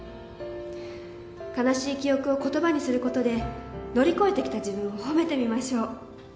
悲しい記憶を言葉にすることで乗り越えてきた自分を褒めてみましょう。